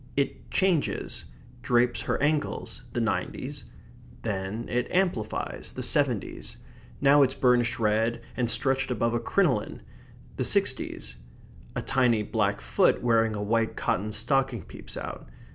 It changes; drapes her ankles the nineties; then it amplifies the seventies; now it's burnished red and stretched above a crinoline the sixties; a tiny black foot wearing a white cotton stocking peeps out.